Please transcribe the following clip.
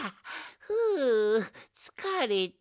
ふうつかれた。